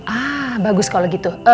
ah bagus kalau gitu